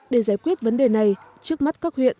để giải quyết vấn đề này trước mắt các huyện